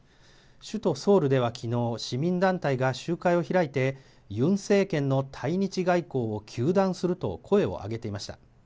首都ソウルではきのう、市民団体が集会を開いて、ユン政権の対日外交を糾弾すると声を上げていました。